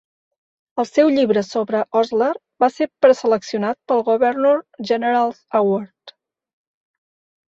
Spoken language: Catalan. El seu llibre sobre Osler va ser preseleccionat pel Governor General's Award.